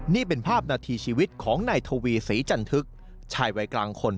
นี่เป็นภาพนาทีชีวิตของนายทวีศรีจันทึกชายวัยกลางคน